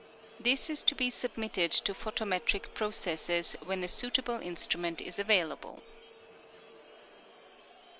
This is to be submitted to photometric processes when a suitable instrument is available.